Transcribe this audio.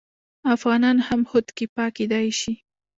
افغانان هم خودکفا کیدی شي.